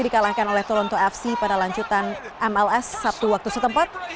dikalahkan oleh toronto fc pada lanjutan mls sabtu waktu setempat